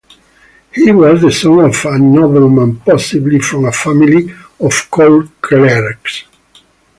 He was the son of a nobleman, possibly from a family of court clerks.